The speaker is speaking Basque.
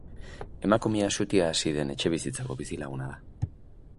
Emakumea sutea hasi den etxebizitzako bizilaguna da.